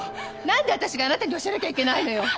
なんで私があなたに教えなきゃいけないのよ！